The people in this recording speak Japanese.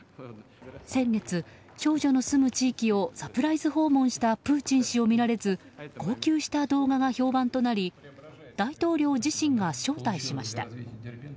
先月、少女の住む地域をサプライズ訪問したプーチン氏を見られず号泣した動画が評判となり大統領自身が招待しました。